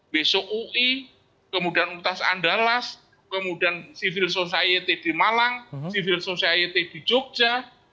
besok ui kemudian untas andalas kemudian civil society di malang civil society di jogja